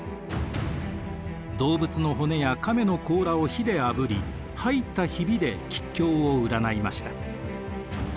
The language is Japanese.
動物の骨や亀の甲羅を火であぶり入ったヒビで吉凶を占いました。